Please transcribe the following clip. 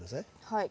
はい。